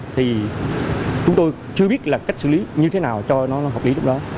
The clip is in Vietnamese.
thì chúng tôi chưa biết là cách xử lý như thế nào cho nó hợp lý lúc đó